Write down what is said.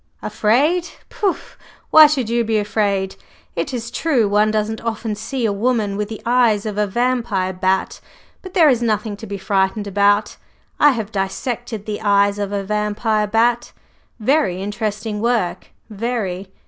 "Afraid! Pooh! Why should you be afraid? It is true one doesn't often see a woman with the eyes of a vampire bat; but there is nothing to be frightened about. I have dissected the eyes of a vampire bat very interesting work, very.